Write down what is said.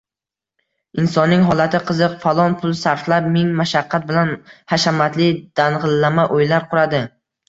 Insonning holati qiziq: falon pul sarflab, ming mashaqqat bilan hashamatli, dang‘illama uylar quradi.